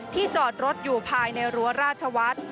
ที่จอดรถอยู่ภายในรั้วราชวัด